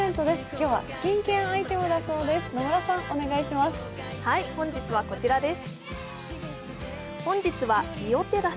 今日はスキンケアアイテムだそうです。